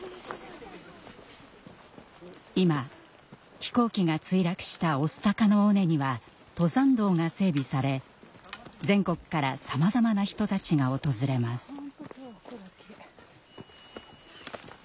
今飛行機が墜落した御巣鷹の尾根には登山道が整備され全国からさまざまな人たちが訪れます。